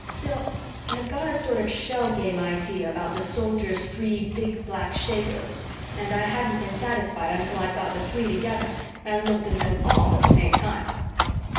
Still, I'd got a sort of shell game idea about the Soldiers' three big black shakos and I hadn't been satisfied until I'd got the three together and looked in them all at the same time.